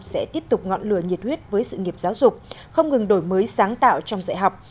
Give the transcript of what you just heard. sẽ tiếp tục ngọn lửa nhiệt huyết với sự nghiệp giáo dục không ngừng đổi mới sáng tạo trong dạy học